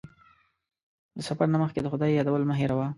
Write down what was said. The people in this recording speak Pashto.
د سفر نه مخکې د خدای یادول مه هېروه.